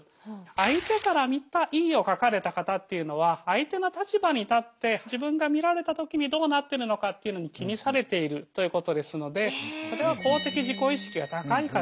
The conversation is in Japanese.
相手から見たＥを書かれた方というのは相手の立場に立って自分が見られた時にどうなってるのかっていうのに気にされているということですのでそれは公的自己意識が高い方。